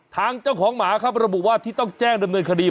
ทางเจ้าของหมาครับระบุว่าที่ต้องแจ้งดำเนินคดี